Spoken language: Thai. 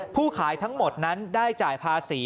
ขายทั้งหมดนั้นได้จ่ายภาษี